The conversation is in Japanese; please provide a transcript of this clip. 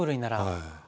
はい。